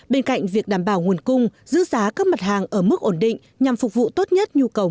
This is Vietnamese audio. bên cạnh việc đảm bảo nguồn cung giữ giá các mặt hàng ở mức ổn định nhằm phục vụ tốt nhất nhu cầu